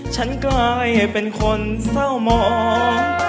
ฉันกลายเป็นคนเศร้ามอง